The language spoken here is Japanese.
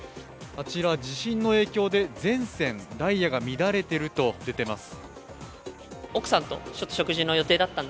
あちら地震の影響で全線ダイヤが乱れていると出ています。